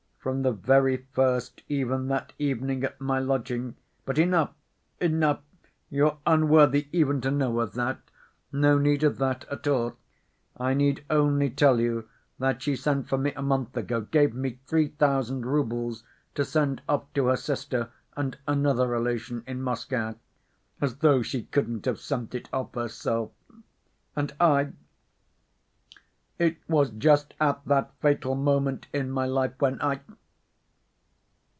From the very first, even that evening at my lodging ... but enough, enough. You're unworthy even to know of that. No need of that at all.... I need only tell you that she sent for me a month ago, gave me three thousand roubles to send off to her sister and another relation in Moscow (as though she couldn't have sent it off herself!) and I ... it was just at that fatal moment in my life when I